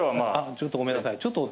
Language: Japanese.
ちょっとごめんなさい。